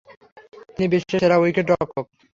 তিনি বিশ্বের সেরা উইকেট-রক্ষক।